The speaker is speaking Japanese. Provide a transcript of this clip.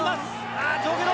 ああ上下動。